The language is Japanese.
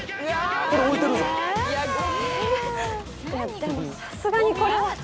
でもさすがにこれは。